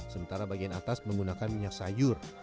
sementara bagian atas menggunakan minyak sayur